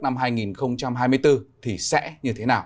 năm hai nghìn hai mươi bốn thì sẽ như thế nào